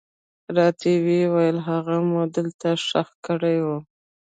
راته ويې ويل هغه مو دلته ښخ کړى و.